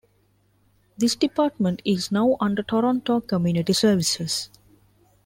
This department is now under Toronto Community Services.